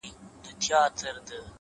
• خدايه هغه داسي نه وه؛